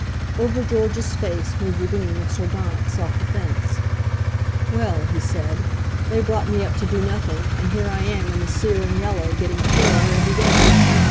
Over George's face moved a gleam of sardonic self defence. "Well," he said, "they brought me up to do nothing, and here I am in the sear and yellow, getting poorer every day.